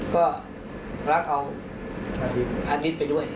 ก็หลักเอาฮาร์ดิสไปด้วย